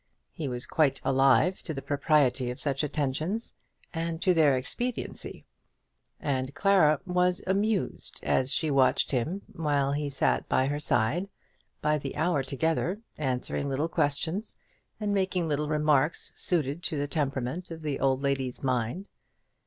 He was quite alive to the propriety of such attentions, and to their expediency; and Clara was amused as she watched him while he sat by her side, by the hour together, answering little questions and making little remarks suited to the temperament of the old lady's mind.